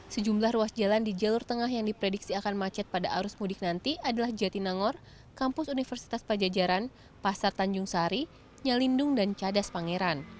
sejumlah ruas jalan di jalur tengah yang diprediksi akan macet pada arus mudik nanti adalah jatinangor kampus universitas pajajaran pasar tanjung sari nyalindung dan cadas pangeran